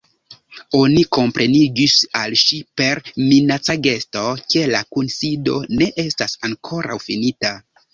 Oni komprenigis al ŝi, per minaca gesto, ke la kunsido ne estas ankoraŭ finita.